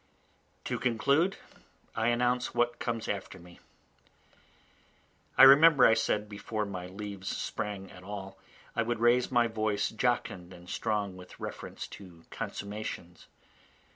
To conclude, I announce what comes after me. I remember I said before my leaves sprang at all, I would raise my voice jocund and strong with reference to consummations.